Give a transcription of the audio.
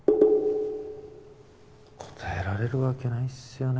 答えられるわけないっすよね